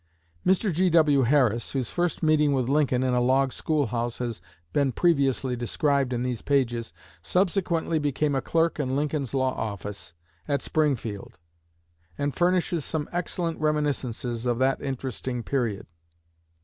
Mr. G.W. Harris, whose first meeting with Lincoln in a log school house has been previously described in these pages, subsequently became a clerk in Lincoln's law office at Springfield, and furnishes some excellent reminiscences of that interesting period.